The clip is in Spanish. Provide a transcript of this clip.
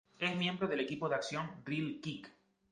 Es miembro del equipo de acción "Reel Kick".